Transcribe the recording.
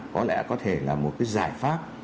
có lẽ có thể là một cái giải pháp